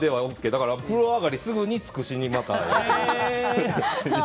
だから風呂上がりすぐにつくしにまた会える。